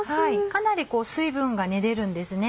かなり水分が出るんですね